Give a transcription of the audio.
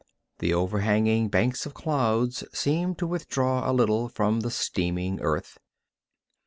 The overhanging banks of clouds seemed to withdraw a little from the steaming earth.